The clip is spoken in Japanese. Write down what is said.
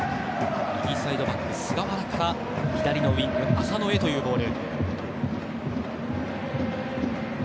右サイドバック、菅原から左のウィング浅野へというボール。